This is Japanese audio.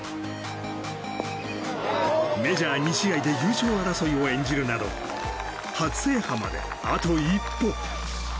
メジャー２試合で優勝争いを演じるなど初制覇まであと一歩。